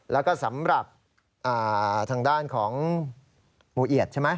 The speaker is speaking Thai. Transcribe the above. แล้วก็สำหรับทางด้านของหมู่เอียดใช่ไหม